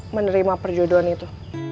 menerima perjuduan itu